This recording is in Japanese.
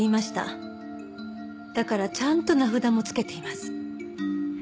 だからちゃんと名札も付けています。